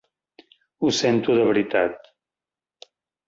Ho sento de veritat.